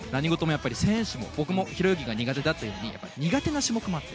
選手誰しも僕も平泳ぎが苦手だったように苦手な種目があって。